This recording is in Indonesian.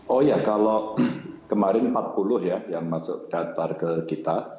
oh ya kalau kemarin empat puluh ya yang masuk daftar ke kita